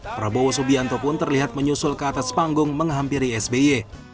prabowo subianto pun terlihat menyusul ke atas panggung menghampiri sby